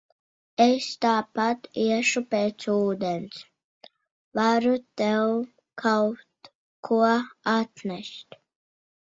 Es tāpat iešu pēc ūdens, varu tev kaut ko atnest.